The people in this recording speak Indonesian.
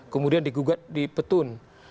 kemudian digugat di petun